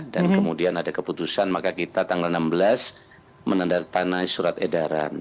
dan kemudian ada keputusan maka kita tanggal enam belas menandatangani surat edaran